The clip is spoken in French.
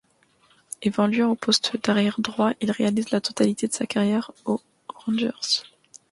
Évoluant au poste d'arrière droit, il réalise la totalité de sa carrière aux Rangers.